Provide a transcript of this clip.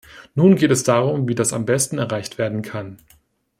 Nun geht es darum, wie das am besten erreicht werden kann.